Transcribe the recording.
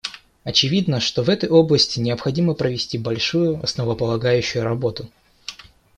Очевидно, что в этой области необходимо провести большую основополагающую работу.